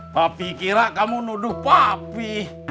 tapi kira kamu nuduh papi